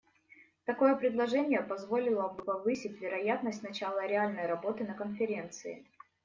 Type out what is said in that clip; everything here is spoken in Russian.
Такое предложение позволило бы повысить вероятность начала реальной работы на Конференции.